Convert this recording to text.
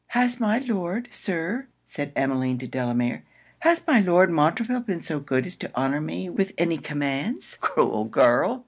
'Has my Lord, Sir,' said Emmeline to Delamere, 'has my Lord Montreville been so good as to honour me with any commands?' 'Cruel girl!'